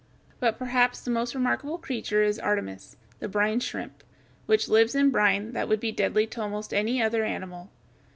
But perhaps the most remarkable creature is Artemis, the brine shrimp (Fig. 139), which lives in brine that would be deadly to almost any other animal.